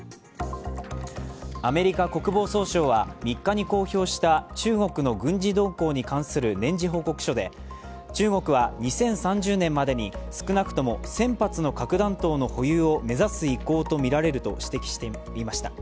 アメリカ国防総省は３日に公表した中国の軍事動向に関する年次報告書で中国は２０３０年までに少なくとも１０００発の核弾頭の保有を目指す意向とみられると指摘していました。